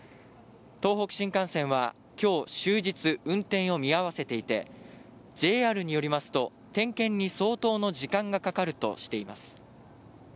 東北新幹線は今日終日運転を見合わせていて、ＪＲによりますと点検に相当の時間がかかるとしています。